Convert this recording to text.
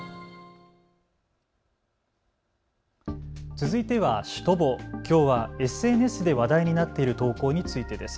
続いてはシュトボー、きょうはＳＮＳで話題になっている投稿についてです。